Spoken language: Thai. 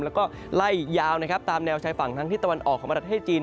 แล้วก็ไล่ยาวนะครับตามแนวชายฝั่งทั้งที่ตะวันออกของประเทศจีน